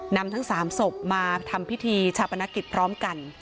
ทั้ง๓ศพมาทำพิธีชาปนกิจพร้อมกัน